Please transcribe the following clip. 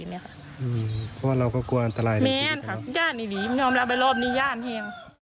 เพราะเราก็กลัวอันตรายในชีพ